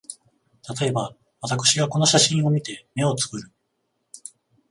たとえば、私がこの写真を見て、眼をつぶる